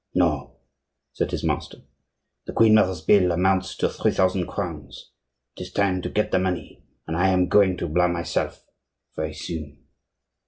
"No," said his master, "the queen mother's bill amounts to three thousand crowns; it is time to get the money, and I am going to Blois myself very soon."